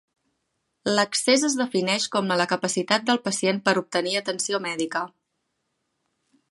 L'accés es defineix com la capacitat del pacient per obtenir atenció mèdica.